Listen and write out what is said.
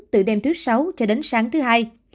từ đêm thứ sáu cho đến sáng thứ hai